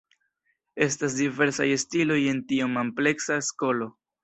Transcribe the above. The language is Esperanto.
Estas diversaj stiloj en tiom ampleksa skolo.